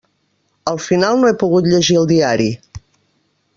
Al final no he pogut llegir el diari.